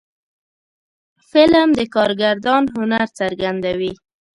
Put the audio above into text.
فلم د کارگردان هنر څرګندوي